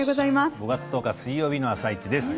５月１０日水曜日の「あさイチ」です。